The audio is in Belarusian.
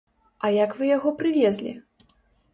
А як вы яго прывезлі?